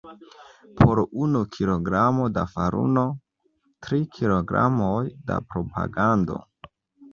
Por unu kilogramo da faruno, tri kilogramoj da propagando.